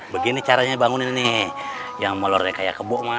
begini caranya bangunin nih yang melore kayak kebuk mah